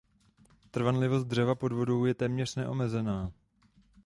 Trvanlivost dřeva pod vodou je téměř neomezená.